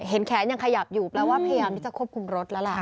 แขนยังขยับอยู่แปลว่าพยายามที่จะควบคุมรถแล้วล่ะ